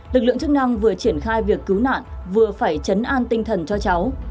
lực lượng chức năng vừa triển khai việc cứu nạn vừa phải chấn an tinh thần cho cháu